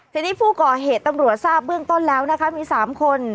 ทีนี้ผู้ก่อเหตุตำรวจทราบเบื้องต้นแล้วนะคะมี๓คน